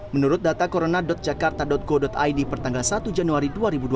menurut data corona jakarta go id pertanggal satu januari dua ribu dua puluh